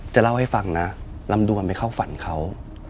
จะเล่าให้ฟังนะลำดวนไปเข้าฝันเขา